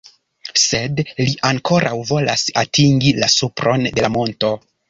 Sed li ankoraŭ volas atingi la supron de la monto.